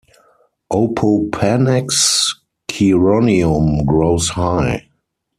"Opopanax chironium" grows high.